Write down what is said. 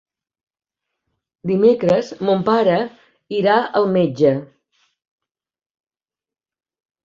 Dimecres mon pare irà al metge.